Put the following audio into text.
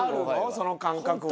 その感覚は。